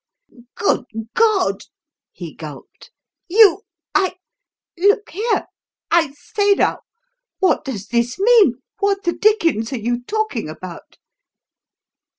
"Good God!" he gulped. "You I Look here, I say now, what does this mean? What the dickens are you talking about?"